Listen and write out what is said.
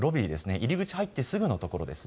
入り口入ってすぐのところです。